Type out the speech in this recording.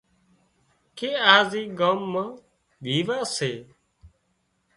ڪي آز اِي ڳام مان ويواه سي